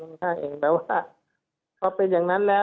ก็เป็นอย่างนั้นแล้วเนี่ย